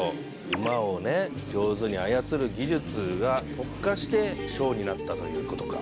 馬を上手に操る技術が特化してショーになったということか。